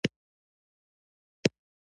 حیران به ځکه شي.